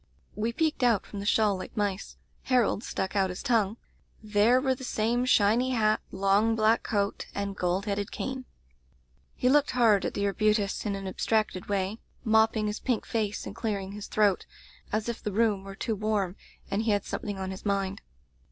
"We peeked out from the shawl like mice. Harold stuck out his tongue. There were the same shiny hat, long black coat, and gold headed cane. "He looked hard at the arbutus, in an abstracted way, mopping his pink face and clearing his throat, as if the room were too warm and he had something on his mind.